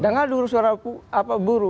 dengar dulu suara buruh